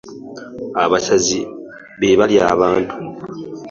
Abasezi be balya abantu.